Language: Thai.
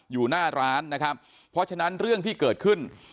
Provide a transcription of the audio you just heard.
อยู่หน้าร้านนะครับเพราะฉะนั้นเรื่องที่เกิดขึ้น